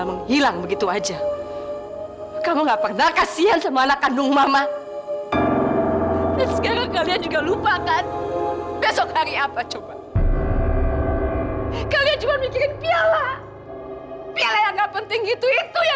besok itu dua belas tahun mengirapkan kehidupan kita